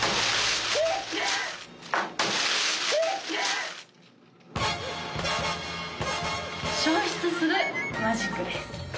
え⁉消失するマジックです。